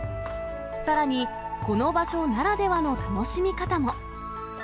さらに、この場所ならではの楽しみ方も。